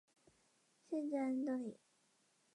谢尔曼为美国堪萨斯州切罗基县的非建制地区。